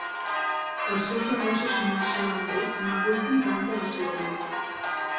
Els seus negocis no marxaven bé en els últims anys de la seua vida.